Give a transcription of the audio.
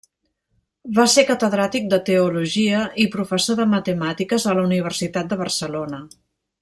Va ser catedràtic de teologia i professor de matemàtiques a la Universitat de Barcelona.